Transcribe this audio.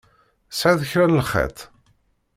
Tesɛiḍ kra n lxeṭṭ?